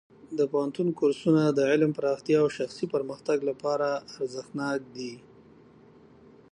د پوهنتون کورسونه د علم پراختیا او شخصي پرمختګ لپاره ارزښتناک دي.